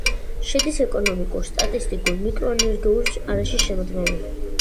შედის ეკონომიკურ-სტატისტიკურ მიკრორეგიონ არაშის შემადგენლობაში.